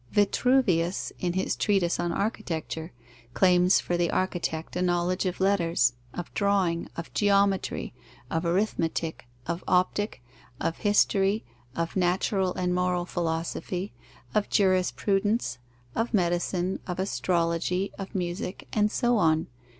Vitruvius, in his treatise on Architecture, claims for the architect a knowledge of letters, of drawing, of geometry, of arithmetic, of optic, of history, of natural and moral philosophy, of jurisprudence, of medicine, of astrology, of music, and so on.